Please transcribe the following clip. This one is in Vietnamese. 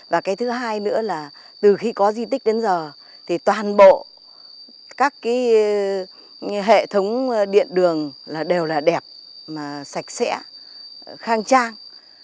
và cái thứ hai nữa là từ khi có di tích đến giờ thì toàn bộ các cái hệ thống điện đường đều là đẹp mà sạch sẽ khang trang